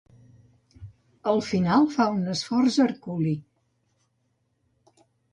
Al final, fa un esforç herculi.